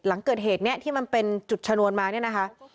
หลังเกิดเหตุนี้ที่มันเป็นจุดชนวนมาเนี่ยนะคะ